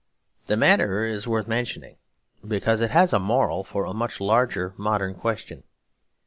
The matter is worth mentioning, because it has a moral for a much larger modern question.